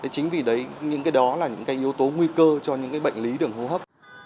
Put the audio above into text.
chính vì đấy những cái đó là những cái yếu tố nguy cơ cho những bệnh lý đường hô hấp